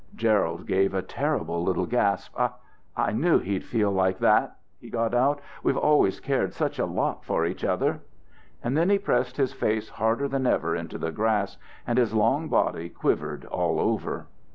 Gerald gave a terrible little gasp. "I I knew he'd feel like that," he got out. "We've always cared such a lot for each other." And then he pressed his face harder than ever into the grass, and his long body quivered all over.